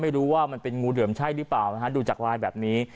ไม่รู้ว่ามันเป็นงูเหลือมใช่หรือเปล่านะฮะดูจากลายแบบนี้